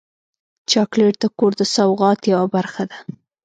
چاکلېټ د کور د سوغات یوه برخه ده.